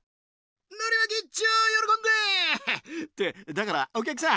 のりまき１丁よろこんでってだからお客さん！